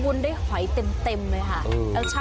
คุณได้หอยเต็มเลยค่ะ